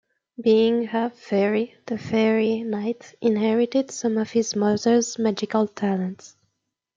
Being half-faerie, the Faerie Knight inherited some of his mother's magical talents.